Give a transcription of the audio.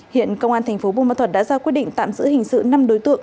hiện công an thành phố buôn ma thuật đã ra quyết định tạm giữ hình sự năm đối tượng